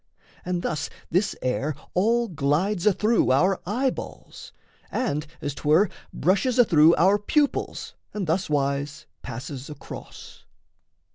And thus this air All glides athrough our eyeballs, and, as 'twere, Brushes athrough our pupils and thuswise Passes across.